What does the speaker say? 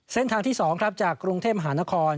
เส้นทางที่๒ครับจากกรุงเทพมหานคร